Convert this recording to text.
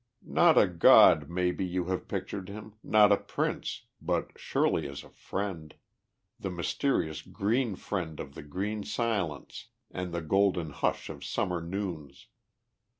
Not a god, maybe, you have pictured him, not a prince, but surely as a friend the mysterious Green Friend of the green silence and the golden hush of Summer noons.